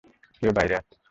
কেউ বাইরে আছে।